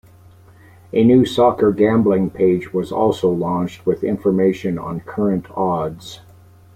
A new soccer gambling page was also launched, with information on current odds.